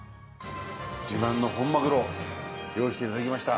自慢の本マグロ用意していただきました。